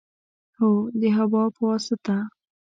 هو، د هوا په واسطه